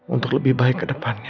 untuk lebih baik ke depannya